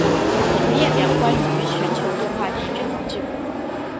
本列表关于全球动画电影票房纪录。